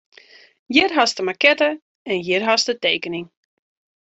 Hjir hast de makette en hjir hast de tekening.